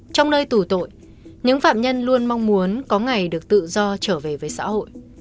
trong nơi tủ tội những phạm nhân luôn mong muốn có ngày được tự do trở về với xã hội